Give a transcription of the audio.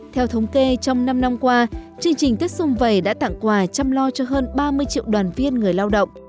theo thống kê trong năm năm qua chương trình tết xung vầy đã tặng quà chăm lo cho hơn ba mươi triệu đoàn viên người lao động